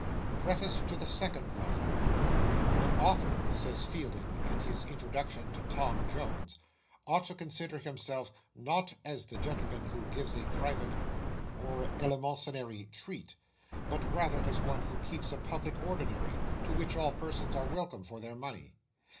PREFACE TO THE SECOND VOLUME "AN author," says Fielding, in his introduction to Tom Jones, "ought to consider himself, not as the gentleman who gives a private or eleemosynary treat, but rather as one who keeps a public ordinary, to which all persons are welcome for their money.